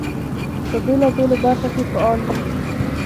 په بېلابېلو برخو کې فعال وو.